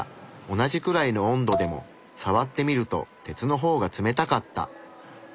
同じくらいの温度でもさわってみると鉄の方が冷たかった。